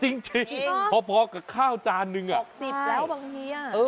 จริงพอกับข้าวจานหนึ่งอ่ะ๖๐บาทแล้วบางทีอ่ะ